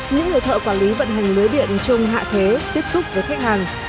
những người thợ quản lý vận hành lưới điện chung hạ thế tiếp xúc với khách hàng